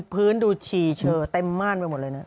พื้นดูฉี่เชอเต็มม่านไปหมดเลยนะ